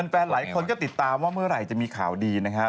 หลายคนก็ติดตามว่าเมื่อไหร่จะมีข่าวดีนะครับ